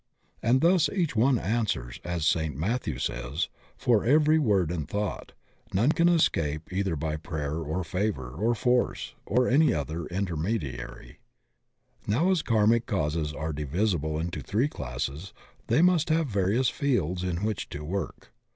And thus each one answers, as St. Matthew says, for every word and thought; none can escape either by prayer, or favor, or force, or any other intermediary. Now as karmic causes are divisible into three classes, they must have various fields in which to work.